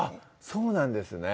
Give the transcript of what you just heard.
そうなんですね